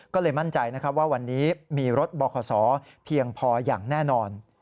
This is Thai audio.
ก็เลยมั่นใจนะครับว่าวันนี้มีรถบขเพียงพออย่างแน่นอน